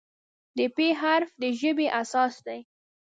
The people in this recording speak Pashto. د "پ" حرف د ژبې اساس دی.